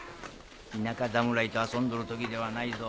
田舎侍と遊んどる時ではないぞ。